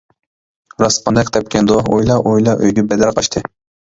راست قانداق تەپكەندۇ؟ ئويلا، ئويلا ئۆيگە بەدەر قاچتى.